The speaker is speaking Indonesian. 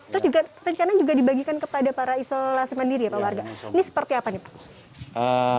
terus juga rencana juga dibagikan kepada para isolasi mandiri ya pak warga ini seperti apa nih pak